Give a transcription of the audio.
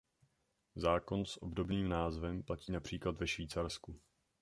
Zákon s obdobným názvem platí například ve Švýcarsku.